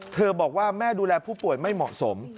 บอกว่าแม่ดูแลผู้ป่วยไม่เหมาะสม